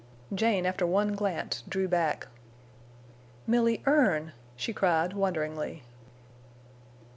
Jane, after one glance, drew back. "Milly Erne!" she cried, wonderingly.